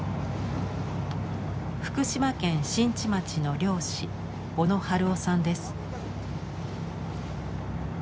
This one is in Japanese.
福島県新地町の漁師小野春雄さんです。